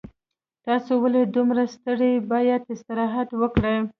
تاسو ولې دومره ستړي یې باید استراحت وکړئ